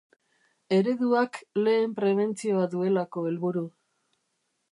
Ereduak lehen prebentzioa duelako helburu.